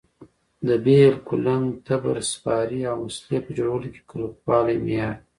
د بېل، کولنګ، تبر، سپارې او وسلې په جوړولو کې کلکوالی معیار دی.